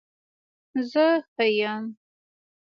زه ښه يم